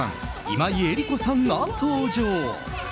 今井絵理子さんが登場。